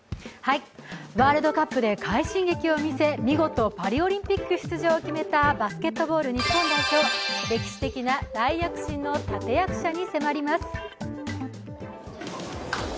ワールドカップで快進撃を見せ、見事、パリオリンピック出場を決めたバスケットボール日本代表、歴史的な大躍進の立て役者に迫ります。